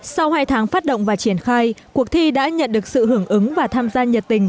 sau hai tháng phát động và triển khai cuộc thi đã nhận được sự hưởng ứng và tham gia nhiệt tình